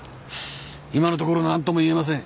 今のところ何とも言えません。